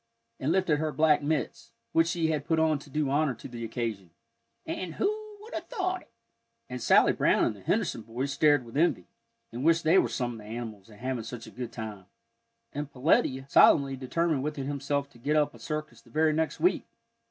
and lifted her black mitts, which she had put on to do honor to the occasion, "and who would have thought it!" And Sally Brown and the Henderson boys stared with envy, and wished they were some of the animals and having such a good time. And Peletiah solemnly determined within himself to get up a circus the very next week.